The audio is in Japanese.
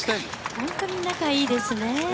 本当に仲がいいですね。